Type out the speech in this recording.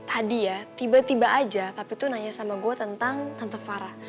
tadi ya tiba tiba aja papi tuh nanya sama gue tentang tante farah